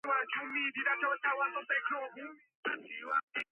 ამრიგად იგი სასურველი პატარძალი იყო ნებისმიერი არისტოკრატიული ოჯახისათვის.